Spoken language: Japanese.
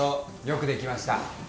よくできました。